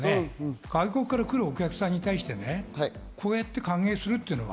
外国から来るお客さんに対して歓迎するっていうのは。